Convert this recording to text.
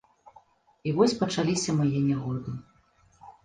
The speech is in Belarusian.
І вось пачаліся мае нягоды.